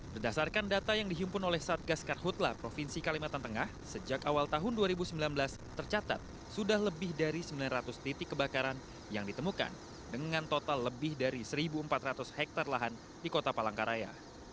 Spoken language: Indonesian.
berdasarkan data yang dihimpun oleh satgas karhutla provinsi kalimantan tengah sejak awal tahun dua ribu sembilan belas tercatat sudah lebih dari sembilan ratus titik kebakaran yang ditemukan dengan total lebih dari satu empat ratus hektare lahan di kota palangkaraya